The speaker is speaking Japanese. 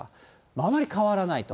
あまり変わらないと。